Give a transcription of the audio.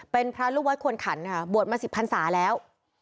เป็นพระลูกวัดควรขันค่ะบวชมา๑๐พันศาแล้ว